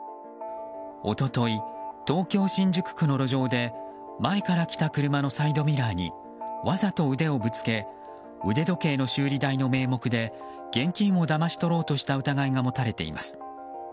一昨日、東京・新宿区の路上で前から来た車のサイドミラーにわざと腕をぶつけ腕時計の修理代の名目で現金をだまし取ろうとした疑いが持たれています。